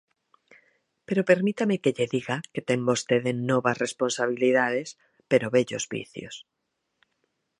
Pero permítame que lle diga que ten vostede novas responsabilidades pero vellos vicios.